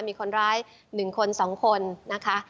มีคนร้าย๑คน๒คนนะคะ